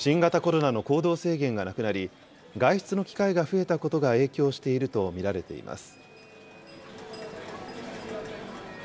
新型コロナの行動制限がなくなり、外出の機会が増えたことが影響していると見られています。